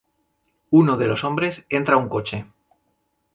Uno de los hombres entra a un coche.